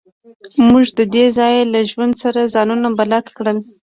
موږ د دې ځای له ژوند سره ځانونه بلد کړل